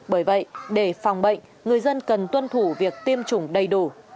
bởi vậy để phòng bệnh người dân cần tuân thủ việc tiêm chủng đầy đủ